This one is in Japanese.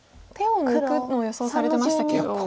手を抜くのを予想されてましたけど。